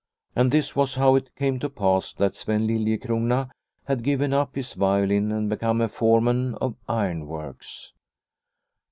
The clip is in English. And this was how it came to pass that Sven Lilie crona had given up his violin and become a foreman of ironworks.